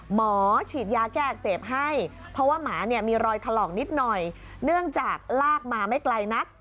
หมอฉีดยาแก้อักเสบให้เพราะว่าหมาเนี่ยมีรอยถลอกนิดหน่อยเนื่องจากลากมาไม่ไกลนัก